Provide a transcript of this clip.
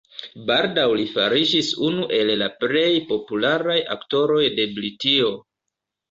Baldaŭ li fariĝis unu el la plej popularaj aktoroj de Britio.